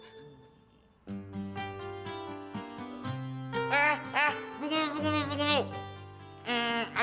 eh eh tunggu dulu tunggu dulu tunggu dulu